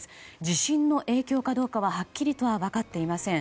地震の影響かどうかははっきりとは分かっていません。